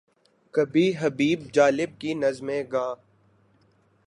کبھی حبیب جالب کی نظمیں گا۔